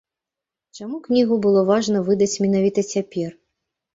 Чаму кнігу было важна выдаць менавіта цяпер?